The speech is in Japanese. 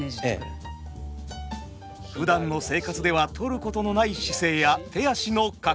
ふだんの生活ではとることのない姿勢や手足の角度。